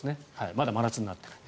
まだ真夏になっていない。